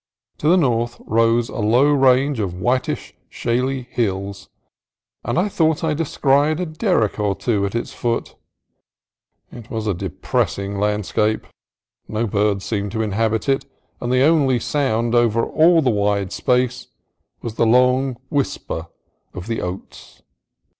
To the north rose a low range of whitish shaly hills, and I thought I descried a derrick or two at its foot. It was a depressing landscape. No birds seemed to inhabit it, and the only sound over all the wide space was the long whisper of the oats.